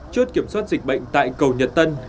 chốt kiểm soát dịch bệnh tại cầu nhật tân